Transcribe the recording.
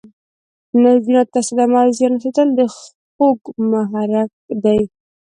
نسجونو ته صدمه او زیان رسیدل د خوږ محرک دی.